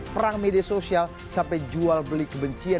perang media sosial sampai jual beli kebencian